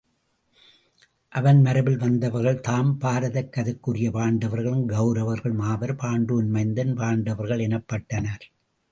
அவன் மரபில் வந்தவர்கள்தாம் பாரதக் கதைக்குரிய பாண்டவர்களும் கவுரவர்களும் ஆவர். பாண்டுவின் மைந்தன் பாண்டவர்கள் எனப்பட்டனர்.